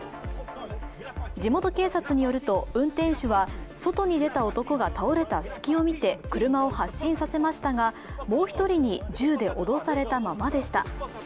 地元警察によると、運転手は外に出た男が倒れた隙を見て車を発進させましたがもう１人に銃で脅されたままでした